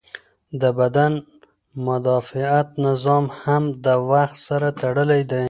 د بدن مدافعت نظام هم د وخت سره تړلی دی.